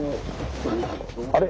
あれ？